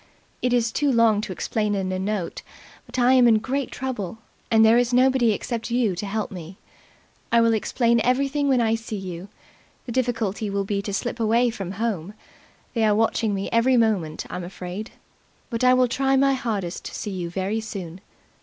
It's too long to explain in a note, but I am in great trouble, and there is nobody except you to help me. I will explain everything when I see you. The difficulty will be to slip away from home. They are watching me every moment, I'm afraid. But I will try my hardest to see you very soon.